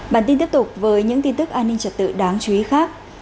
bản tin tiếp tục với những tin tức an ninh trật tự đáng chú ý khác